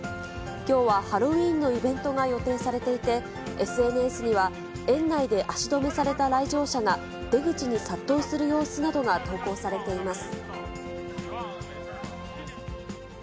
きょうはハロウィーンのイベントが予定されていて、ＳＮＳには、園内で足止めされた来場者が、出口に殺到する様子などが投稿されています。